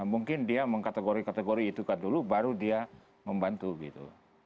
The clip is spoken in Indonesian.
mungkin dia mengkategori kategori itu kan dulu baru dia membantu gitu